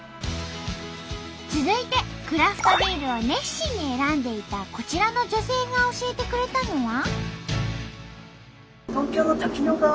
続いてクラフトビールを熱心に選んでいたこちらの女性が教えてくれたのは。